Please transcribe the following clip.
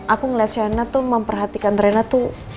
aku ngeliat sienna tuh memperhatikan reina tuh